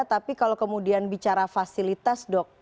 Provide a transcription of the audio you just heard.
tapi kalau kemudian bicara fasilitas dok